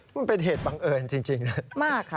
มันเป็นเหตุปังเอิญจริงนะครับ